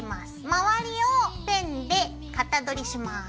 周りをペンでかたどりします。